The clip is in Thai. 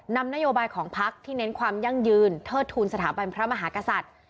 นำนโยบายของพักที่เน้นความยั่งยืนเทิดทูลสถาบันพระมหากษัตริย์